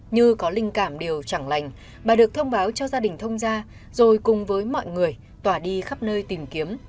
như có linh cảm đều chẳng lành bà được thông báo cho gia đình thông gia rồi cùng với mọi người tỏa đi khắp nơi tìm kiếm